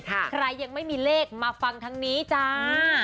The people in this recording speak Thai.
ใครยังไม่มีเลขมาฟังทางนี้จ้า